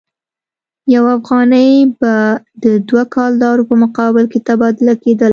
یو افغانۍ به د دوه کلدارو په مقابل کې تبادله کېدله.